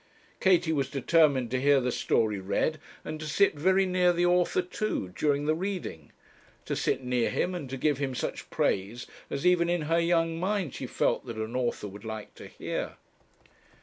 Katie was determined to hear the story read, and to sit very near the author too during the reading; to sit near him, and to give him such praise as even in her young mind she felt that an author would like to hear.